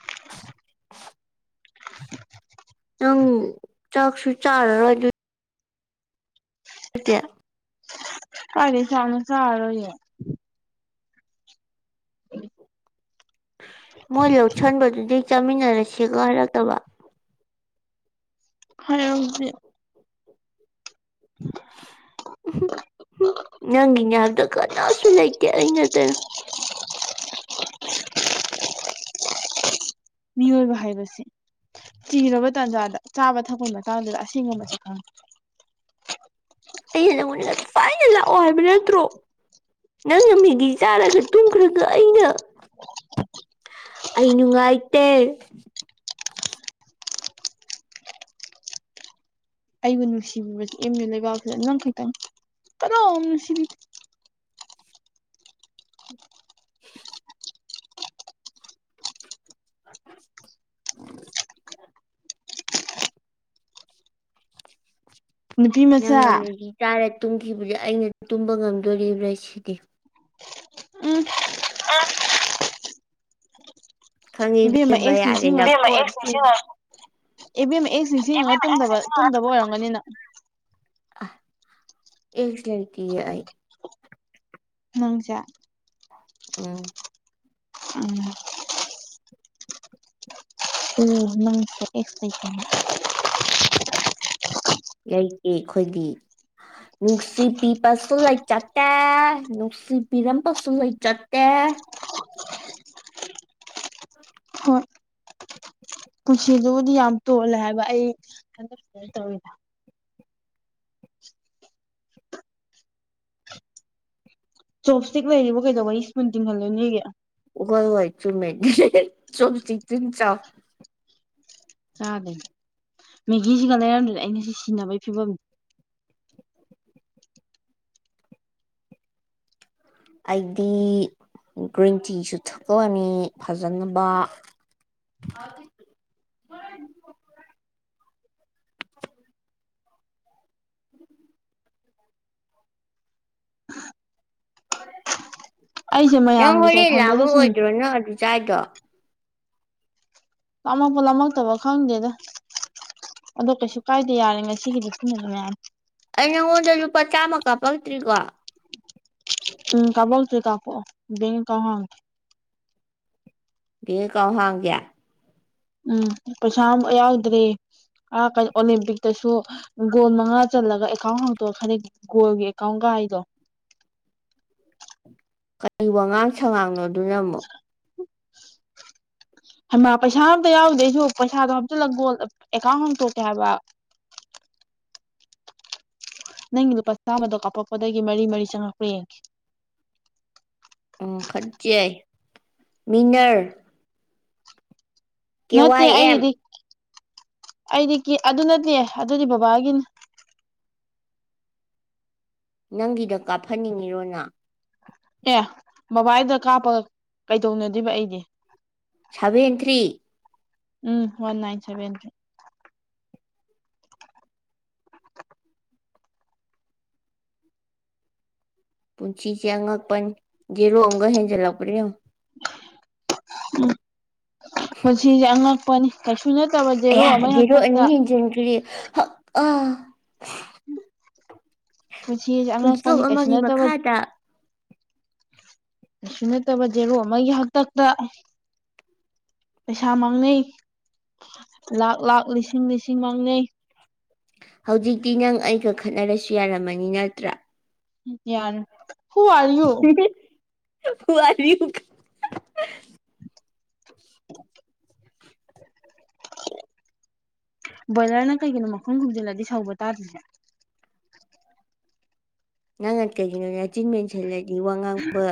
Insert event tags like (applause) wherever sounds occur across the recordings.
(inaudible) ꯅꯪ ꯆꯥꯛꯁꯨ ꯆꯥꯔꯔꯣꯏ ꯑꯗꯨ (unintelligible) ꯀꯥꯏꯗꯩ ꯆꯥꯛꯅꯣ ꯆꯥꯔꯔꯣꯏꯌꯦ ꯃꯣꯏ ꯂꯧꯁꯟꯕꯗꯨꯗꯩ ꯆꯥꯃꯤꯟꯅꯔꯁꯤꯒ ꯍꯥꯏꯔꯛꯇꯕ ꯍꯥꯏꯔꯛꯇꯦ (inaudible) ꯅꯪꯒꯤꯅꯦ ꯍꯥꯕꯗ ꯀꯅ ꯁꯨ ꯂꯩꯇꯦ ꯑꯩ ꯅꯠꯇꯅ ꯃꯤꯑꯣꯏꯕ ꯍꯥꯏꯕꯁꯦ ꯆꯤꯔꯕ ꯇꯥꯟꯖꯥꯗ ꯆꯥꯕ ꯊꯛꯄꯒꯤ ꯃꯇꯥꯡꯗ ꯑꯁꯦꯡꯕ ꯃꯁꯛ ꯈꯪꯉꯤ ꯑꯩꯅ ꯅꯪꯉꯣꯟꯗ ꯉꯁꯥꯏꯅ ꯂꯥꯛꯑꯣ ꯍꯥꯏꯕ ꯅꯠꯇ꯭ꯔꯣ ꯅꯪꯅ ꯃꯦꯒꯤ ꯆꯥꯔꯒ ꯇꯨꯝꯈ꯭ꯔꯒ ꯑꯩꯅ ꯑꯩ ꯅꯨꯡꯉꯥꯏꯇꯦ ꯑꯩꯕꯨ ꯅꯨꯡꯁꯤꯕꯤꯕꯁꯤ ꯑꯦꯝ ꯌꯨ ꯂꯩꯕꯥꯛꯕꯁꯤꯗ ꯅꯪ ꯈꯛꯇꯪꯅꯤ ꯀꯅꯥꯝ ꯅꯨꯡꯁꯤꯕꯤꯗꯦ (inaudible) (inaudible) ꯅꯨꯄꯤ ꯃꯆꯥ ꯅꯪꯅ ꯃꯦꯒꯤ ꯆꯔꯥ ꯇꯨꯝꯈꯤꯕꯗ ꯑꯩꯅ ꯇꯨꯝꯕ ꯉꯝꯒꯗ꯭ꯔꯥ ꯁꯤꯗꯤ ꯎꯝ ꯑ (inaudible) ꯈꯪꯉꯦ ꯏꯕꯦꯝꯃ ꯑꯦꯛꯁ ꯌꯥꯔꯦꯅꯦ ꯅꯤꯡꯁꯤꯡꯉ ꯏꯕꯦꯝꯃ, ꯑꯦꯛꯁ ꯅꯤꯡꯁꯤꯡꯉꯒ ꯇꯨꯝꯗꯕ ꯑꯣꯏꯔꯝꯒꯅꯤꯅꯦ ꯑꯦꯛꯁ ꯂꯩꯇꯤꯌꯦ ꯑꯩ ꯅꯪꯁꯦ ꯎꯝ ꯎꯝ ꯎꯝ ꯅꯪꯁꯦ ꯑꯦꯛꯁ ꯂꯩꯇꯦ ꯍꯥꯏꯕ ꯑꯩꯈꯣꯏꯒꯤ ꯅꯨꯡꯁꯤꯕꯤꯕꯁꯨ ꯂꯩꯥꯖꯗꯦ ꯅꯨꯡꯁꯤꯕꯤꯔꯝꯕꯁꯨ ꯂꯩꯥꯖꯗꯦ꯫ (unintelligible) ꯍꯣꯏ ꯄꯨꯟꯁꯤꯗꯨꯕꯨꯗꯤ ꯌꯥꯝ ꯇꯣꯜꯂꯦ ꯍꯥꯏꯕ ꯑꯩ (inaudible) ꯆꯣꯞ ꯁ꯭ꯇꯤꯛ ꯂꯩꯔꯤꯕ ꯀꯩꯗꯧꯕ ꯁ꯭ꯄꯨꯟ ꯇꯤꯡꯍꯜꯂꯨꯅꯦꯒꯦ ꯍꯣꯏ ꯍꯣꯏ ꯆꯨꯝꯃꯦ ꯆꯣꯞ ꯁ꯭ꯇꯤꯛꯇꯨꯅ ꯆꯥꯎꯕ ꯍꯦꯜꯂꯦ ꯆꯥꯗꯣꯏꯅꯦ ꯃꯦꯒꯤꯁꯤꯒ ꯂꯩꯔꯝꯗ꯭ꯔꯗꯤ ꯑꯩ ꯉꯁꯤ ꯁꯤꯟꯅꯕꯒꯤ ꯐꯤꯚꯝꯅꯤ ꯑꯩꯗꯤ ꯒ꯭ꯔꯤꯟ ꯇꯤꯁꯨ ꯊꯛꯑꯅꯤ ꯐꯖꯅꯕ ꯑ (inaudible) (inaudible) ꯑꯩꯁꯦ ꯅꯪ ꯃꯌꯥꯝꯒꯤ ꯍꯣꯔꯦꯟ ꯆꯥꯏꯐꯝꯗꯨꯗ ꯁꯨꯝ ꯂꯥꯃꯛꯑꯣꯏꯗ꯭ꯔꯣ ꯍꯧꯖꯤꯛ ꯆꯥꯔꯤꯗꯣ ꯂꯥꯝꯃꯛꯄ ꯂꯥꯝꯃꯛꯇꯕ ꯈꯪꯗꯦꯗ ꯑꯗꯣꯀꯩꯁꯨ ꯀꯥꯏꯗꯦ ꯌꯥꯔꯦ ꯉꯁꯤꯒꯤꯗꯤ ꯁꯤꯅ ꯑꯗꯨꯝ ꯌꯥꯔꯅꯤ꯫ ꯑꯩ ꯅꯉꯣꯟꯗ ꯂꯨꯄꯥ ꯆꯥꯝꯃ ꯀꯥꯄꯛꯇ꯭ꯔꯤꯀꯣ ꯎꯝ ꯀꯥꯄꯛꯇꯔꯤ ꯀꯥꯄꯛꯑꯣ ꯕꯦꯡꯑꯦꯀꯥꯎꯟ ꯌꯥꯡꯉꯦ ꯕꯦꯡ ꯑꯦꯀꯥꯎꯟ ꯍꯥꯡꯒꯦ꯫ ꯎꯝ ꯄꯩꯁꯥ ꯌꯥꯎꯗ꯭ꯔꯦ ꯑꯣꯂꯦꯝꯄꯤꯛꯇꯁꯨ ꯒꯣꯜ ꯃꯉꯥ ꯆꯜꯂꯒ ꯑꯦꯀꯥꯎꯟ ꯍꯥꯡꯇꯣꯛꯑꯒ ꯒꯣꯜꯒꯤ ꯑꯦꯀꯥꯎꯟꯒ ꯀꯥꯏꯗꯣ (unintelligible) ꯀꯔꯤ ꯋꯥꯉꯥꯡ ꯁꯉꯥꯡꯅꯣꯗꯨꯅ ꯑꯃꯨꯛ (inaudible) ꯍꯩꯃ ꯄꯩꯁꯥ ꯑꯝꯇ ꯌꯥꯎꯗꯦ ꯑꯩꯁꯨ ꯄꯩꯁꯥꯗꯣ ꯍꯥꯞꯆꯤꯜꯂꯒ ꯑꯦꯀꯥꯎꯟ ꯍꯥꯡꯇꯣꯛꯀꯦ ꯍꯥꯏꯕ (inaudible) ꯅꯪꯒꯤ ꯂꯨꯄꯥ ꯆꯥꯝꯃꯗꯣ ꯀꯥꯞꯄꯛꯄꯗꯒꯤ ꯃꯔꯤ ꯃꯔꯤ ꯆꯪꯉꯂꯛꯄꯔ ꯌꯦꯡꯒꯦ꯫ ꯑꯣ ꯈꯠꯆꯩ ꯃꯤꯅꯔ ꯀꯦ ꯅꯠꯇꯦ ꯋꯥꯏ ꯑꯦꯝ ꯑꯩꯒꯤꯗꯤ ꯑꯩꯗꯤ ꯀꯦ ꯑꯗꯨ ꯅꯠꯇꯦ ꯑꯗꯨꯗꯤ ꯕꯕꯥꯒꯤꯅꯤ ꯅꯪꯒꯤꯗ ꯀꯥꯞꯍꯟꯅꯤꯡꯉꯤꯔꯣ ꯅꯥ ꯑꯦ ꯕꯕꯥꯏꯗ ꯀꯥꯞꯄꯒ ꯀꯩꯗꯧꯅꯗꯣꯏꯕ ꯑꯩꯗꯤ ꯁꯚꯦꯟ ꯊ꯭ꯔꯤ ꯎꯝ ꯋꯥꯟ ꯅꯥꯏꯟ ꯁꯕꯦꯟ ꯊ꯭ꯔꯤ ꯄꯨꯟꯁꯤꯁꯦ ꯑꯉꯛꯄꯅꯤ ꯖꯤꯔꯣ ꯑꯝꯒ ꯍꯦꯟꯖꯟꯂꯛꯄ꯭ꯔ ꯌꯦꯡꯉꯣ ꯎꯝ ꯄꯨꯟꯁꯤꯖꯦ ꯑꯉꯛꯄꯅꯤ ꯀꯩꯁ ꯑꯌꯥ ꯖꯤꯔꯣ ꯑꯅꯤ ꯍꯦꯟꯖꯤꯟꯈ꯭ꯔꯦ ꯍꯥ ꯑꯥ ꯄꯨꯟꯁꯤꯁꯦ ꯄꯨꯜꯁꯇꯣꯞ ꯑꯉꯛꯄꯅꯤ ꯀꯩꯁꯨ ꯑꯃꯒꯤ ꯅꯠꯇꯕ ꯃꯈꯥꯗ ꯀꯩꯁꯨ ꯅꯠꯇꯕ ꯖꯦꯔꯣ ꯑꯃꯒꯤ ꯍꯛꯇꯛꯇ ꯄꯩꯁꯥ ꯃꯥꯡꯅꯩ ꯂꯥꯛ ꯂꯥꯛ ꯂꯤꯁꯤꯡ ꯂꯤꯁꯤꯡ ꯃꯥꯡꯅꯩ ꯍꯧꯖꯤꯛꯇꯤ ꯅꯪ ꯑꯩꯒ ꯈꯠꯅꯔꯁꯨ ꯌꯥꯔꯝꯃꯅꯤ ꯅꯠꯇ꯭ꯔꯥ ꯌꯥꯅꯦ ꯍꯨ ꯑꯔ ꯌꯨ (unintelligible) (inaudible) ꯕꯣꯏꯂꯔꯅ ꯀꯩꯒꯤꯅꯣ ꯃꯈꯨꯝ ꯈꯨꯝꯖꯤꯜꯂꯗꯤ ꯁꯧꯕ ꯇꯥꯗ꯭ꯔꯤꯁꯦ ꯅꯪꯅ ꯀꯩꯒꯤꯅꯣ ꯅꯆꯤꯟ ꯃꯦꯟꯁꯤꯜꯂꯗꯤ ꯋꯥ ꯉꯥꯡꯕ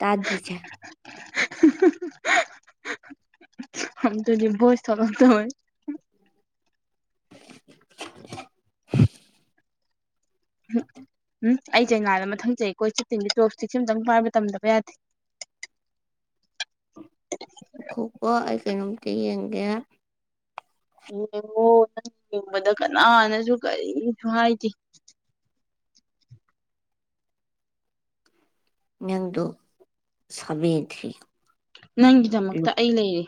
ꯇꯥꯗ꯭ꯔꯤꯁꯦ (unintelligible) ꯍꯝꯇꯨꯗꯤ ꯕꯣꯏꯁ ꯊꯣꯛꯂꯛꯇꯧꯋꯦ (inaudible) ꯍꯝ ꯎꯝ ꯑꯩ ꯆꯩꯅꯥꯗ ꯃꯊꯪ ꯆꯩ ꯀꯣꯏ ꯆꯠꯇꯨꯏꯅꯤ ꯇꯣꯞ ꯇꯤꯛꯁ ꯑꯝꯇꯪ ꯄꯥꯏꯕ ꯇꯝꯗꯕ ꯌꯥꯗꯦ ꯉꯈꯣꯀꯣ ꯑꯩ ꯀꯩꯅꯣꯝꯇ ꯌꯦꯡꯒꯦ ꯌꯦꯡꯉꯣ ꯅꯪ ꯌꯦꯡꯕꯗ ꯀꯅꯥꯅꯁꯨ ꯀꯔꯤꯁꯨ ꯍꯥꯏꯗꯦ ꯅꯪꯗꯨ ꯁꯕꯦ ꯊ꯭ꯔꯤ ꯅꯪꯒꯤꯗꯃꯛꯇ ꯑꯩ ꯂꯩꯌꯦ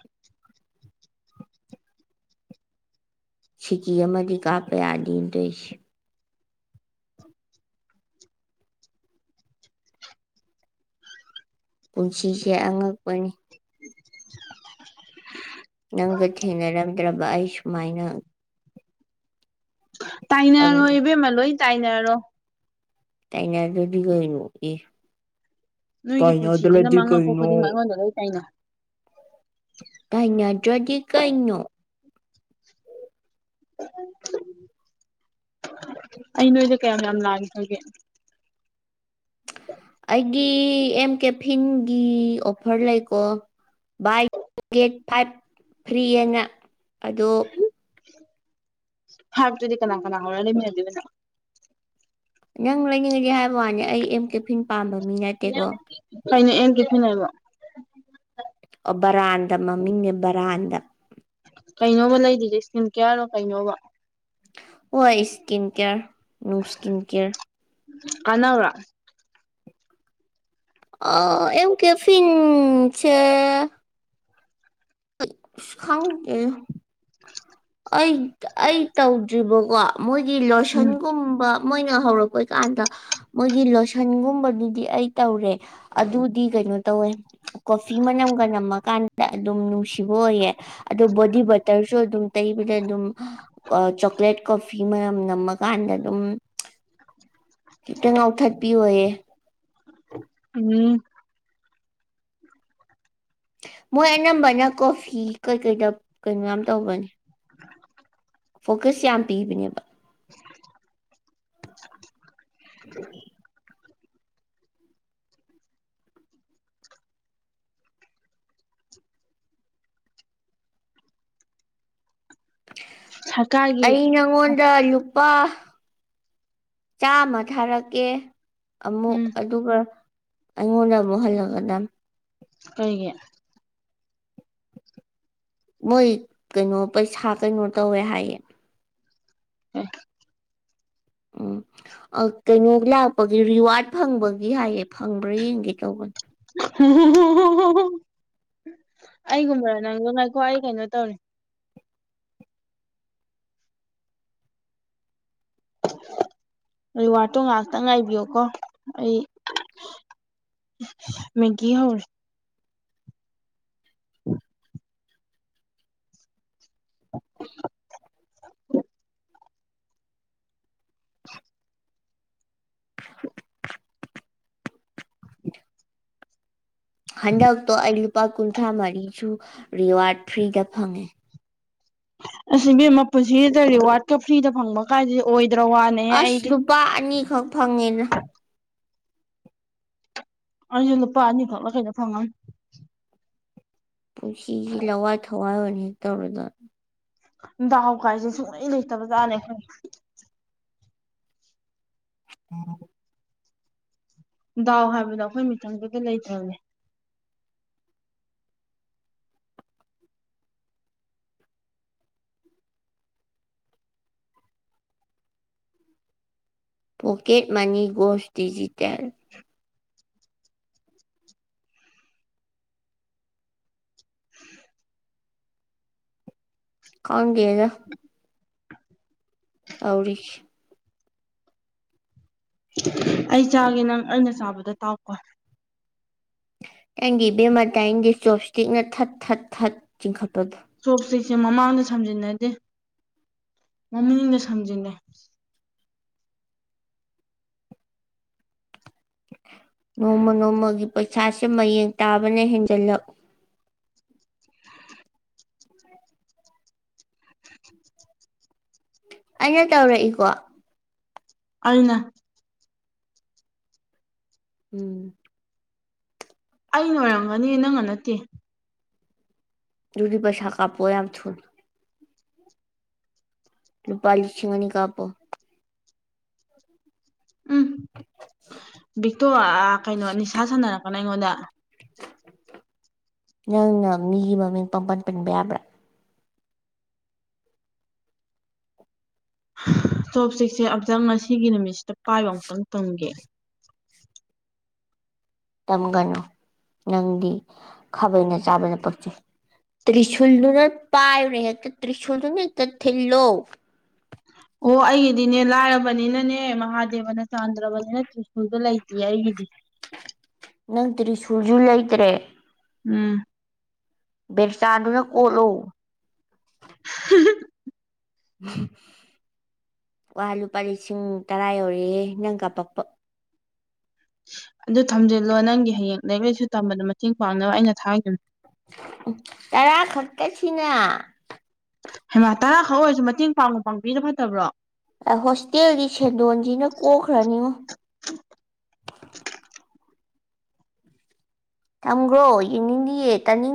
ꯁꯤꯀꯤ ꯑꯃꯗꯤ ꯀꯥꯞꯄ ꯌꯥꯗꯤꯟꯗꯣꯏꯁꯦ ꯄꯨꯟꯁꯤꯁꯦ ꯑꯉꯛꯄꯅꯤ (inaudible) ꯅꯪꯒ ꯊꯦꯡꯅꯔꯝꯗ꯭ꯔꯕ ꯑꯩ ꯁꯨꯃꯥꯏꯅ ꯑꯪ ꯇꯥꯏꯅꯔꯣ ꯏꯕꯦꯝꯃ ꯂꯣꯏ ꯇꯥꯏꯅꯔꯣ ꯇꯥꯏꯅꯗꯗꯤ ꯒꯩꯅꯣ ꯏ ꯅꯣꯏꯒꯤ ꯄꯨꯟꯁꯤꯗꯨꯅ ꯇꯥꯏꯅꯗ꯭ꯔꯗꯤ ꯃꯥꯡꯉꯛꯄ ꯀꯩꯅꯣ ꯈꯨꯗꯤꯡꯃꯛ ꯑꯩꯉꯣꯟꯗ ꯂꯣꯏ ꯇꯥꯏꯅꯧ ꯇꯥꯏꯅꯗ꯭ꯔꯗꯤ ꯀꯩꯩꯅꯣ (inaudible) ꯑꯩ ꯅꯣꯏꯗ ꯀꯌꯥꯝ ꯌꯥꯝ ꯂꯥꯟꯈ꯭ꯔꯒꯦ ꯐꯤꯟꯒꯤ ꯑꯣꯐꯔ ꯂꯩꯀꯣ ꯕꯥꯏ ꯒꯦꯠ ꯐꯥꯏꯚ ꯐ꯭ꯔꯤꯑꯦꯟꯅ ꯑꯗꯣ ꯐꯥꯏꯚꯇꯨꯗꯤ ꯀꯅꯥ ꯀꯅꯥ ꯍꯧꯔ ꯂꯩꯃꯤꯟꯅꯗꯣꯏꯕ ꯅꯪ ꯅꯪ ꯂꯩꯅꯤꯡꯉꯗꯤ ꯍꯥꯏꯕ ꯋꯥꯅꯦ ꯑꯩ ꯑꯦꯝ ꯀꯦꯐꯤꯟ ꯄꯥꯝꯕ ꯃꯤ ꯅꯠꯇꯦꯀꯣ ꯀꯩꯅꯣ ꯑꯦꯝ ꯀꯦꯐꯤꯟ ꯍꯥꯏꯕꯣ ꯑꯣ ꯕꯔꯥꯟꯗ ꯃꯃꯤꯡꯅꯦ ꯕꯔꯥꯟꯗ ꯀꯩꯅꯣꯕ ꯂꯩꯗꯨꯏꯁꯦ ꯏꯁꯀꯤꯟ ꯀꯤꯌꯥꯔꯣ ꯀꯩꯅꯣꯕ ꯍꯣꯏ ꯏꯁꯀꯤꯟ ꯀꯤꯌꯔ ꯅꯨꯡ ꯏꯁꯀꯤꯟ ꯀꯤꯌꯔ ꯀꯥꯟꯅꯕ꯭ꯔꯣ ꯑꯥ ꯑꯦꯝ ꯀꯦꯐꯤꯟ ꯁꯦ ꯈꯪꯗꯦ ꯑꯩ ꯑꯩ ꯇꯧꯗ꯭ꯔꯤꯕꯀꯣ ꯃꯣꯏꯒꯤ ꯎꯝ ꯂꯣꯁꯟꯒꯨꯝꯕ ꯃꯣꯏꯅ ꯍꯧꯔꯛꯄ ꯀꯥꯟꯗ ꯃꯣꯏꯒꯤ ꯂꯣꯁꯟꯒꯨꯝꯕꯗꯨꯗꯤ ꯑꯩ ꯇꯧꯔꯦ ꯑꯗꯨꯗꯤ ꯀꯩ ꯀꯩꯅꯣ ꯇꯧꯋꯦ ꯀꯣꯐꯤ ꯃꯅꯝꯒ ꯅꯝꯃꯀꯥꯟꯗ ꯑꯗꯨꯝ ꯅꯨꯡꯁꯤ ꯕ ꯑꯣꯏꯌꯦ ꯑꯗꯣ ꯕꯣꯗꯤ ꯕꯇꯔꯁꯨ ꯑꯗꯨꯝ ꯗ ꯑꯗꯨꯝ ꯑꯥ ꯆꯣꯀ꯭ꯂꯦꯠ ꯀꯣꯐꯤ ꯃꯅꯝꯅꯝꯃ ꯀꯥꯟꯗ ꯑꯗꯨꯝ ꯈꯤꯇ ꯉꯥꯎꯊꯠꯄꯤ ꯑꯣꯏꯌꯦ ꯎꯝ ꯃꯣꯏ ꯑꯅꯝꯕꯅ ꯀꯣꯐꯤ ꯀꯩꯀꯩꯗ ꯀꯩꯅꯣ ꯌꯥꯝ ꯇꯧꯕꯅꯤ ꯐꯣꯀꯁ ꯌꯥꯝ ꯄꯤꯕꯅꯦꯕ (inaudible) ꯁꯔꯀꯥꯔꯒꯤ ꯑꯩ ꯅꯪꯉꯣꯟꯗ ꯂꯨ ꯄꯥ ꯆꯥꯃ ꯊꯥꯔꯛꯀꯦ ꯑꯃꯨꯛ ꯎꯝ ꯑꯗꯨꯒ ꯑꯩꯉꯣꯟꯗ ꯑꯃꯨꯛ ꯍꯜꯂꯛꯀꯗꯝꯅꯤ ꯀꯩꯒꯤ ꯃꯣꯏ ꯀꯩꯅꯣ ꯄꯩꯁꯥ ꯀꯩꯅꯣ ꯇꯧꯋꯦ ꯍꯥꯏꯌꯦ ꯑꯦ ꯎꯝ ꯑꯥ ꯀꯩꯅꯣ ꯂꯥꯛꯄꯒꯤ ꯔꯤꯋꯥ꯭ꯔꯠ ꯐꯪꯕꯒꯤ ꯍꯥꯏꯌꯦ ꯐꯪꯕ꯭ꯔꯥ ꯌꯦꯡꯒꯦ ꯇꯧꯕꯅꯦ ꯍꯨꯝꯍꯨꯝꯍꯨꯝꯍꯨꯝꯍꯨꯝ ꯑꯩꯒꯨꯝꯕꯔ ꯅꯪꯖꯨ ꯉꯥꯏꯀꯣ ꯑꯩ ꯀꯩꯅꯣ ꯇꯧꯔꯤ ꯔꯤꯋꯥ꯭ꯔꯠꯇꯨ ꯉꯥꯛꯇꯪ ꯉꯥꯏꯕꯤꯌꯣꯀꯣ ꯑꯩ ꯃꯦꯒꯤ ꯍꯧꯔꯤ (unintelligible) ꯍꯟꯗꯛꯇꯣ ꯑꯩ ꯂꯨꯄꯥ ꯀꯨꯟꯊ꯭ꯔꯥ ꯃꯔꯤꯁꯨ ꯔꯤꯋꯥꯔꯠ ꯐ꯭ꯔꯤꯗ ꯐꯪꯉꯦ ꯑꯁ ꯏꯕꯦꯝꯃ ꯄꯨꯟꯁꯤꯗ ꯔꯤꯋꯥ꯭ꯔꯠꯀ ꯐ꯭ꯔꯤꯗ ꯐꯪꯕ ꯀꯥꯏꯗꯨ ꯑꯣꯏ ꯑꯁ ꯂꯨꯄꯥ ꯑꯅꯤꯈꯛ ꯐꯪꯉꯦꯗ ꯑꯩꯖꯨ ꯂꯨꯄꯥ ꯑꯅꯤ ꯈꯛꯂ ꯀꯩꯅꯣ ꯐꯪꯉꯝꯅꯤ ꯄꯨꯟꯁꯤꯖꯤ ꯂꯋꯥꯏ ꯊꯋꯥꯏ ꯑꯣꯏꯅ ꯍꯦꯛ ꯇꯧꯔꯗꯥꯅ ꯗꯥꯎ ꯀꯥꯏꯁꯦ ꯁꯨꯡꯂꯩ ꯂꯩꯇꯕ ꯖꯥꯠꯅꯦ ꯑꯩꯈꯣꯏꯁꯦ (inaudible) ꯗꯥꯎ ꯍꯥꯏꯕꯗꯣ ꯑꯩꯈꯣꯏ ꯃꯤꯆꯪꯗꯨꯗ ꯂꯩꯇ꯭ꯔꯕꯅꯦ ꯄꯣꯀꯦꯠ ꯃꯅꯤ ꯒꯣꯁ ꯗꯤꯖꯤꯇꯦꯜ ꯈꯪꯗꯦꯗ ꯇꯧꯔꯤꯁ ꯑꯩ ꯆꯥꯒꯦ ꯅꯪ ꯑꯩꯅ ꯆꯥꯕꯗ ꯇꯥꯎꯀꯣ ꯅꯪꯒꯤ ꯏꯕꯦꯝꯃ ꯇꯥꯏꯅꯤꯡꯗꯦ ꯆꯣꯞꯏꯁꯇꯤꯛꯅ ꯊꯠ ꯊꯠ ꯊꯠ ꯆꯤꯡꯈꯠꯄꯗꯣ ꯆꯣꯞꯏꯁꯇꯤꯛ ꯁꯦ ꯃꯃꯥꯡꯗ ꯁꯝꯖꯤꯟꯅꯗꯦ ꯃꯅꯤꯡꯅ ꯁꯝꯖꯤꯟꯅꯩ ꯅꯣꯡꯃ ꯅꯣꯡꯃꯒꯤ ꯄꯩꯁꯥꯁꯦ ꯃꯌꯦꯡ ꯇꯥꯕꯅ ꯍꯦꯟꯖꯤꯜꯂꯛ ꯑꯩꯅ ꯇꯧꯔꯛꯏꯀꯣ ꯑꯩꯅ ꯎꯪ ꯑꯩꯅ ꯑꯣꯏꯔꯝꯒꯅꯤ ꯅꯪꯅ ꯅꯠꯇꯦ ꯑꯗꯨꯗꯤ ꯄꯩꯁꯥ ꯀꯥꯞꯄꯛꯑꯣ ꯌꯥꯝ ꯊꯨꯅ ꯂꯨꯄꯥ ꯂꯤꯁꯤꯡꯑꯅꯤ ꯀꯥꯄꯣ ꯎꯝ ꯕꯤꯛꯇꯣ ꯑꯥ ꯀꯩꯅꯣ ꯅꯤꯁꯥ ꯁꯥꯟꯅꯔꯛꯀꯅꯣ ꯑꯩꯉꯣꯟꯗ ꯅꯪꯅ ꯃꯤꯒꯤ ꯃꯃꯤꯡ ꯄꯪꯄꯟ-ꯄꯟꯕ ꯌꯥꯕ꯭ꯔꯥ ꯆꯣꯞꯁꯇꯤꯛꯁꯦ ꯑꯝꯇꯪ ꯉꯁꯤꯒꯤ ꯅꯨꯃꯤꯠꯁꯤꯗ ꯄꯥꯏꯕ ꯑꯃꯨꯛꯇꯪ ꯇꯝꯒꯦ ꯇꯝꯒꯅꯨ ꯅꯪꯗꯤ ꯈꯥꯕꯩꯅꯆꯥꯕꯅ ꯄꯛꯆꯩ ꯇ꯭ꯔꯤꯁꯨꯨꯜꯗꯨꯅ ꯄꯥꯏꯔ ꯍꯦꯛꯇ ꯇ꯭ꯔꯤꯁꯨꯜꯗꯨꯅ ꯍꯦꯛꯇ ꯊꯤꯜꯂꯣ ꯑꯣ ꯑꯩꯒꯤꯗꯤꯅꯦ ꯂꯥꯏꯔꯕꯅꯤꯅꯅꯦ ꯃꯍꯥꯗꯦꯕꯅ ꯆꯥꯟꯗ꯭ꯔꯕꯅꯤꯅ ꯇ꯭ꯔꯤꯁꯨꯜꯗꯣ ꯂꯩ ꯇꯤꯌꯦ ꯑꯩꯒꯤꯗꯤ ꯅꯪ ꯇ꯭ꯔꯤꯁꯨꯜꯖꯨꯂꯩꯇ꯭ꯔꯦ ꯎꯝ ꯚ꯭ꯔꯦꯆꯥꯟꯗꯨꯅꯀꯣꯠꯂꯣ INAUDIBLE ꯋꯥ ꯂꯨꯄꯥꯂꯤꯁꯤꯡ ꯇꯔꯥ ꯌꯧꯔꯦꯌꯦ ꯅꯪ ꯀꯥꯞꯄꯛꯄ ꯑꯗꯨ ꯊꯝꯖꯤꯜꯂꯣ ꯅꯪꯒꯤ ꯍꯌꯦꯡ ꯂꯥꯏꯔꯤꯛ- ꯂꯥꯏꯁꯨ ꯇꯝꯕꯗ ꯃꯇꯦꯡ ꯄꯥꯡꯅꯕ ꯑꯩꯅ ꯊꯥꯒꯤꯕꯅꯦ ꯎꯝ ꯇꯔꯥꯈꯛꯇꯥ ꯁꯤꯅꯥ ꯍꯩꯃ ꯇꯔꯥꯈꯛ ꯑꯣꯏꯔꯖꯨ ꯃꯇꯦꯡ ꯄꯥꯡꯕꯨ- ꯄꯥꯡꯕꯤꯔꯤꯗꯣ ꯐꯠꯇꯕ꯭ꯔꯣ ꯑꯥ ꯍꯣꯁꯇꯦꯜꯒꯤ ꯁꯦꯟꯗꯣꯟꯖꯤꯅ ꯀꯣꯛꯈ꯭ꯔꯅꯤꯉꯣ ꯊꯝꯒ꯭ꯔꯣ ꯌꯦꯡꯅꯤꯡꯗꯤꯌꯦ-ꯇꯥꯅꯤꯡꯗꯤ